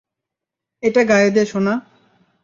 এটা গায়ে দে, সোনা।